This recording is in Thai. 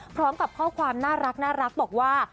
พร้อมกับข้อความน่ารักบอกว่า